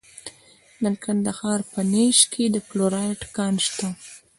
د کندهار په نیش کې د فلورایټ کان شته.